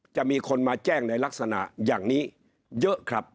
จะมีคนมาแจ้งในลักษณะอย่างนี้เยอะครับ